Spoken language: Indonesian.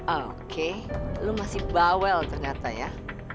oke lo masih bawel ternyata ya